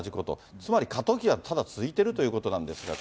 つまり、過渡期がただ続いているということなんですが。